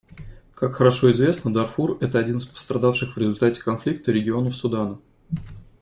Как хорошо известно, Дарфур — это один из пострадавших в результате конфликта регионов Судана.